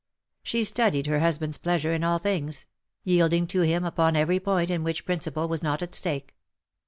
She studied her husband^s pleasure in all things — yielding to him upon every point in which prin ciple was not at stake.